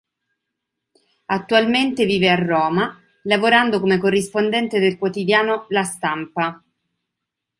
Attualmente vive a Roma, lavorando come corrispondente del quotidiano "La Stampa".